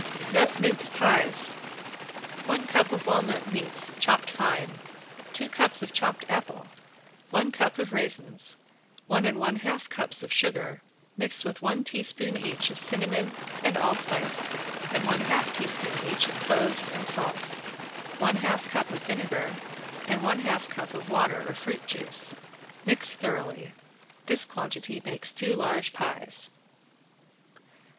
~NUT MINCE PIES~ One cup of walnut meats chopped fine, two cups of chopped apple, one cup of raisins, one and one half cups of sugar mixed with one teaspoon each of cinnamon and allspice and one half teaspoon each of cloves and salt, one half cup of vinegar and one half cup of water or fruit juice. Mix thoroughly. This quantity makes two large pies.